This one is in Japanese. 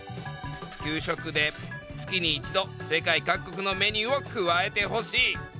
「給食で月に一度世界各国のメニューを加えて欲しい」。